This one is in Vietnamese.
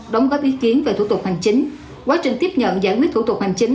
đóng góp ý kiến về thủ tục hành chính quá trình tiếp nhận giải quyết thủ tục hành chính